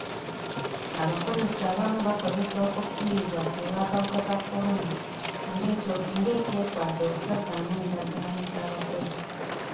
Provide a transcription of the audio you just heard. Abakozesa abamu bakozesa okufiirwa olw'akawuka ka corona nga ekyekwaso okusazaamu endagaano z'abakozi.